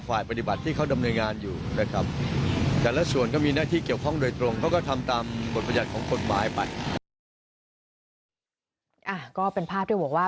ก็เป็นภาพที่บอกว่า